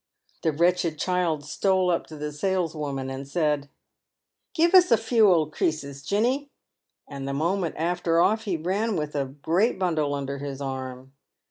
The wretched child stole up to the saleswoman, and said, " Give us a few old creases, Jinney;" and the moment after off he ran with a great bundle under his arm.